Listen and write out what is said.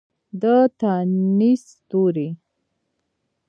د تانیث توري